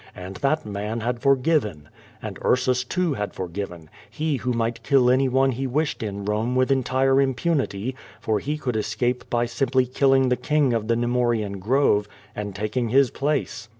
And that man had forgiven! And Ursus, too, bad forgiven, he who might kill anyone he wished QVO TADIS. 197 in Kome with entire impunity, for he could escape b}' simply killing the King of the Xemorian Grove and taking his place.